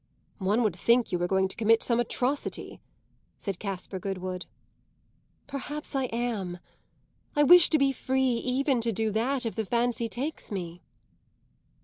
"One would think you were going to commit some atrocity!" said Caspar Goodwood. "Perhaps I am. I wish to be free even to do that if the fancy takes me."